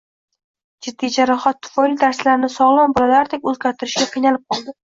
Jiddiy jarohat tufayli darslarni sog`lom bolalardek o`zlartirishga qiynalib qoldi